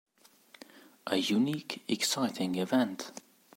A unique, exciting event.